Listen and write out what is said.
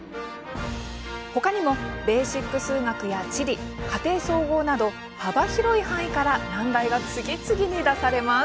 ほかにも「ベーシック数学」や「地理」、「家庭総合」など幅広い範囲から難題が次々に出されます。